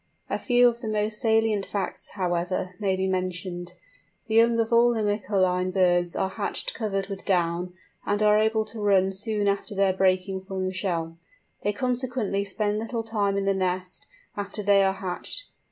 A few of the most salient facts, however, may be mentioned. The young of all Limicoline birds are hatched covered with down, and are able to run soon after their breaking from the shell. They consequently spend little time in the nest, after they are hatched.